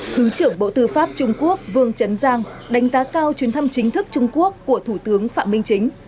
thứ trưởng bộ tư pháp trung quốc vương chấn đánh giá cao chuyến thăm chính thức trung quốc của thủ tướng phạm minh chính